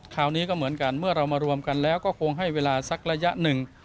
คราวนี้ก็เหมือนกันเมื่อเรามารวมกันแล้วก็คงให้เวลาสักระยะหนึ่ง